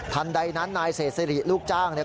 ใดนั้นนายเศษสิริลูกจ้างเนี่ย